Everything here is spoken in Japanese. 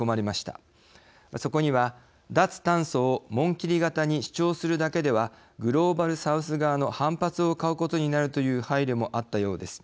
そこには脱炭素を紋切り型に主張するだけではグローバル・サウス側の反発を買うことになるという配慮もあったようです。